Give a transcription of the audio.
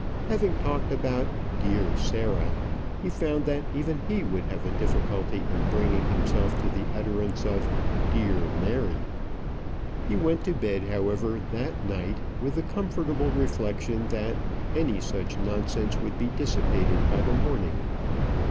Having talked about "dear Sarah," he found that even he would have a difficulty in bringing himself to the utterance of "dear Mary." He went to bed, however, that night with the comfortable reflection that any such nonsense would be dissipated by the morning.